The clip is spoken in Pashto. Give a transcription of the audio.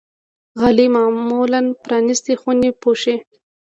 غالۍ معمولا پرانيستې خونې پوښي.